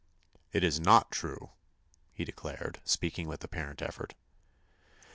"It is not true," he declared, speaking with apparent effort.